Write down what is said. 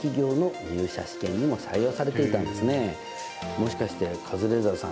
もしかしてカズレーザーさん